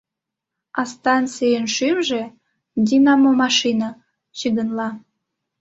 А станцийын шӱмжӧ — динамомашина — чыгынлана.